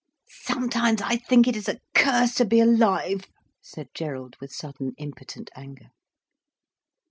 "Sometimes I think it is a curse to be alive," said Gerald with sudden impotent anger.